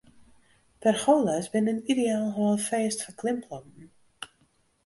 Pergola's binne in ideaal hâldfêst foar klimplanten.